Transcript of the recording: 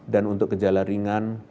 dan untuk gejala ringan